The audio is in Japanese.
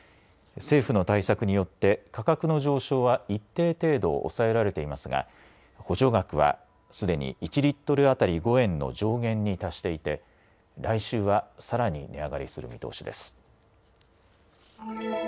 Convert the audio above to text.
政府の対策によって、価格の上昇は一定程度、抑えられていますが、補助額はすでに１リットル当たり５円の上限に達していて、来週はさらに値上がりする見通しです。